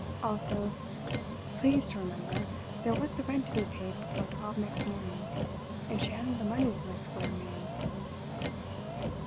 Also—please to remember—there was the rent to be paid before twelve next morning, and she hadn't the money for a square meal.